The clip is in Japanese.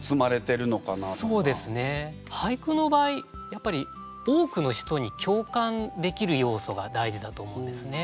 やっぱり多くの人に共感できる要素が大事だと思うんですね。